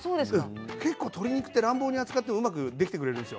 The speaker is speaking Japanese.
結構、鶏肉って乱暴に扱ってもできてくれるんですよ。